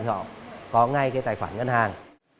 họ có ngay cái tài khoản ngân hàng